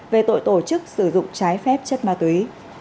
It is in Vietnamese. về tội tổ chức sử dụng trái phép chất ma túy